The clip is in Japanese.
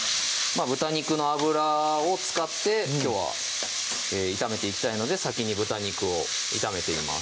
豚肉の脂を使ってきょうは炒めていきたいので先に豚肉を炒めています